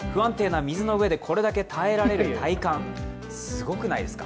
水の上でこれだけ耐えられる体感、すごくないですか。